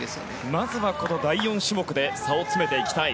まずはこの第４種目で差を詰めていきたい。